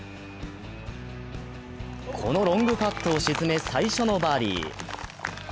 このロングパットを沈め最初のバーディー。